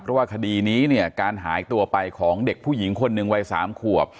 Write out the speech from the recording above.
เพราะว่าคดีนี้เนี่ยการหายตัวไปของเด็กผู้หญิงคนหนึ่งวัย๓ขวบ